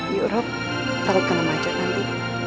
yorob taruhkan emak aja nanti